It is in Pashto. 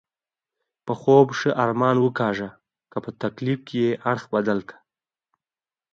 په خوب ښه ارمان وکاږه، که په تکلیف یې اړخ بدل کړه.